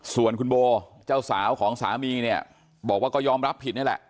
ส่วนคุณโบเจ้าสาวของสามีเนี่ยบอกว่าก็ยอมรับผิดนี่แหละ